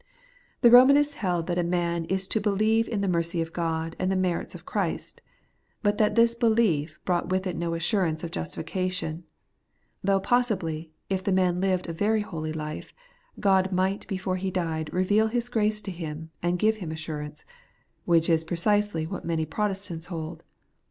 The Eomanists held that a mam is to believe in the mercy of God and the merits of Christ, but that this belief brought with it no assurance of justifica tion ; though possibly, if the man lived a very holy life, God might before he died reveal His grace to him, and give him assurance; which is precisely what many Protestants hold.